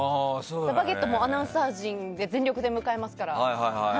「バゲット」もアナウンサー陣が全力で迎えますから。